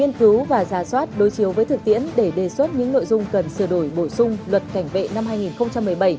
nghiên cứu và giả soát đối chiếu với thực tiễn để đề xuất những nội dung cần sửa đổi bổ sung luật cảnh vệ năm hai nghìn một mươi bảy